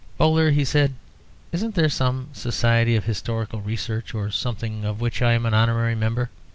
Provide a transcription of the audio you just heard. "Bowler," he said, "isn't there some society of historical research, or something of which I am an honorary member?"